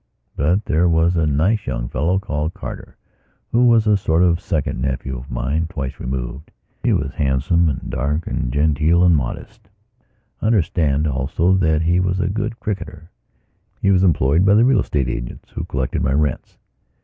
But there was a nice young fellow called Carter who was a sort of second nephew of mine, twice removed. He was handsome and dark and gentle and tall and modest. I understand also that he was a good cricketer. He was employed by the real estate agents who collected my rents.